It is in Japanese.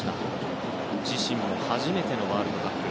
自身も初めてのワールドカップ。